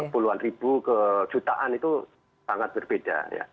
puluhan ribu ke jutaan itu sangat berbeda